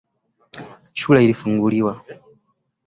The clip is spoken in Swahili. Shule ilifunguliwa